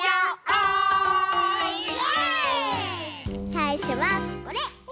さいしょはこれ。